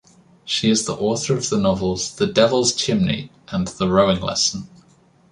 She is the author of the novels "The Devil's Chimney" and "The Rowing Lesson".